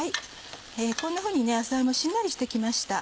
こんなふうに野菜もしんなりして来ました。